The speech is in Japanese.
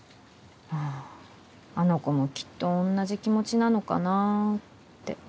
あの子もきっと同じ気持ちなのかなぁって。